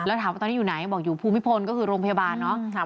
แล้วถามว่าตอนนี้อยู่ไหนบอกอยู่ภูมิพลก็คือโรงพยาบาลเนาะ